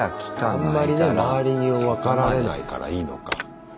あんまりね周りに分かられないからいいのか。